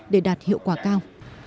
để đạt hiệu quả cao